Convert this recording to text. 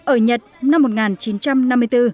ở nhật năm một nghìn chín trăm năm mươi bốn